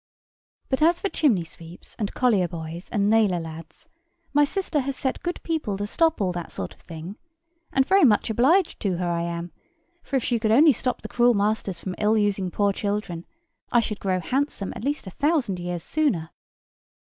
But as for chimney sweeps, and collier boys, and nailer lads, my sister has set good people to stop all that sort of thing; and very much obliged to her I am; for if she could only stop the cruel masters from ill using poor children, I should grow handsome at least a thousand years sooner.